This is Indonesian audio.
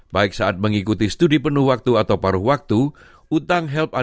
baik saat mengikuti studi penuh waktu dan penggunaan visa